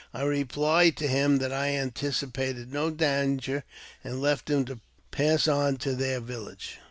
I replied to him that I anticipated no danger, and left him to pass on to their village.